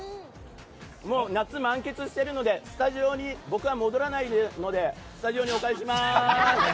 夏、満喫してるのでスタジオに僕は戻らないのでスタジオにお返しします！